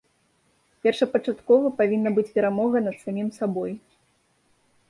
Першапачаткова павінна быць перамога над самім сабой.